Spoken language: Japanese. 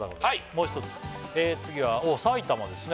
もう一つ次はおっ埼玉ですね